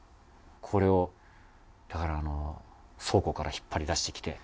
これをだから倉庫から引っ張り出してきて。